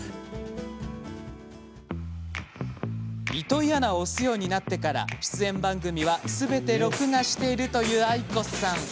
糸井アナを推すようになってから出演番組は、すべて録画しているというあいこさん。